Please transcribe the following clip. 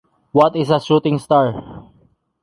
what is a shooting star